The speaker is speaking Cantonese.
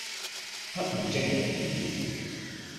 黑雨即係停雨